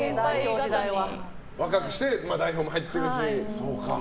若くして代表も入ってるしね。